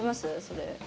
それ。